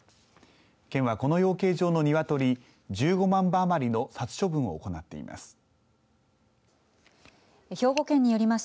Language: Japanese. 県はこの養鶏場のニワトリ１５万羽余りの殺処分を行っています。